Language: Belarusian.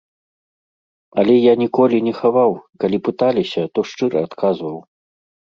Але я ніколі не хаваў, калі пыталіся, то шчыра адказваў.